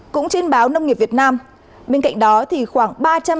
cũng trên báo nông nghiệp việt nam bên cạnh đó thì khoảng